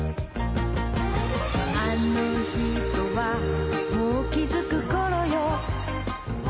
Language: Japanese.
あのひとはもう気づくころよ